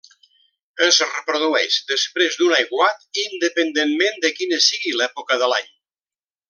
Es reprodueix després d'un aiguat independentment de quina sigui l'època de l'any.